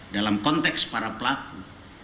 dalam konteks para pelaku